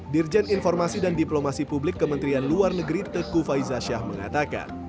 dirjen informasi dan diplomasi publik kementerian luar negeri teguh faizah syah mengatakan